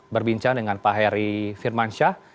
berbincang dengan pak heri firmansyah